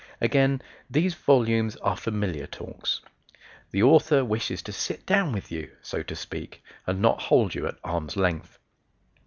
Again: these volumes are "familiar talks." The Author wishes to sit down with you so to speak and not hold you at arm's length.